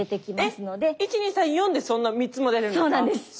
１２３４でそんな３つも出るんですか？